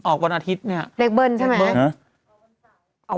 เป็นการกระตุ้นการไหลเวียนของเลือด